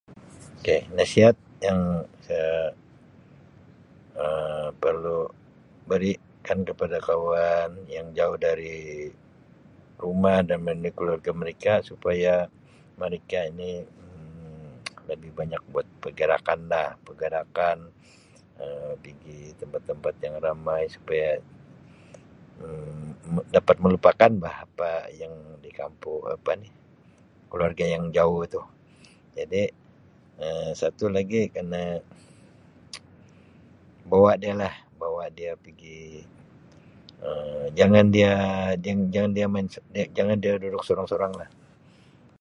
K nasihat yang sia Um perlu berikan kepada kawan yang jauh dari rumah dan merindui keluarga mereka supaya mereka ini Um lebih banyak buat pergerakan lah, pergerakan Um pigi tempat-tempat yang ramai supaya Um dapat melupakan bah apa yang di kampung Um apa ni keluarga yang jauh tu jadi Um satu lagi Um kena Um bawa dia lah bawa dia pigi Um jangan dia main Um jangan dia duduk sorang-sorang lah.